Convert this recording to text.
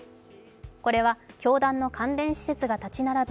これは教団の関連施設が立ち並ぶ